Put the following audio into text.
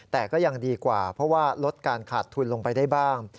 แต่ก็ยังดีกว่าเพราะว่าลดการขาดทุนลงไปได้บ้าง